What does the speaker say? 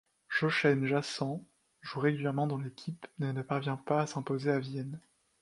Jochen Janssen joue régulièrement dans l'équipe, mais ne parvient pas à s'imposer à Vienne.